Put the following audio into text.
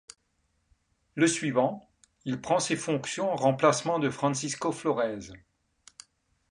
Le suivant, il prend ses fonctions en remplacement de Francisco Flores.